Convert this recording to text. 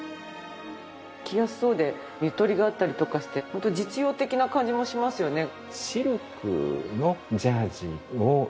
着やすそうでゆとりがあったりとかしてホント実用的な感じもしますよね。